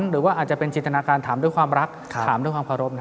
หรือว่าอาจจะเป็นจินตนาการถามด้วยความรักถามด้วยความเคารพ